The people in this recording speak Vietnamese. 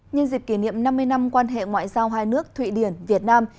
nhân dịp kỷ niệm năm mươi năm quan hệ ngoại giao hai nước thụy điển việt nam